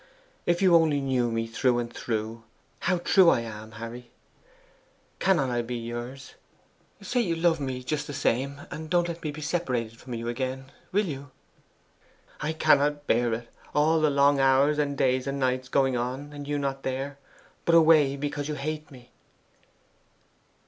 If you only knew me through and through, how true I am, Harry. Cannot I be yours? Say you love me just the same, and don't let me be separated from you again, will you? I cannot bear it all the long hours and days and nights going on, and you not there, but away because you hate me!